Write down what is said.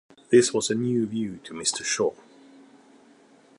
This was a new view to Mr. Shaw.